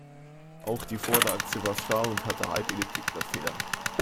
Auch die Vorderachse war starr und hatte Halbelliptik-Blattfedern.